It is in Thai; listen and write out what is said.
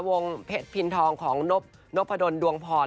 วงเพศพินทองของนบนบพะดนดวงพร